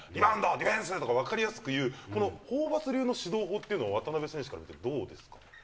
ディフェンス！とか分かりやすく言う、このホーバス流の指導法っていうのは、渡邊選手から見てどうですか？